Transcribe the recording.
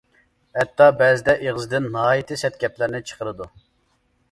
ھەتتا بەزىدە ئېغىزىدىن ناھايىتى سەت گەپلەرنى چىقىرىدۇ.